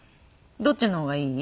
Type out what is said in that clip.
どっちの方がいい？